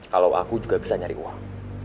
kalau aku juga bisa nyari uang